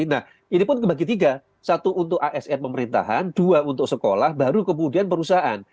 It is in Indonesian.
nah ini pun kebagi tiga satu untuk asn pemerintahan dua untuk sekolah baru kemudian perusahaan